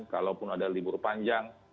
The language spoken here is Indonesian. kalaupun ada libur panjang